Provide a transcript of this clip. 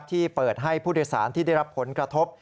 ที่เปิดให้ผู้โดยสารที่ได้รับผลกระทบ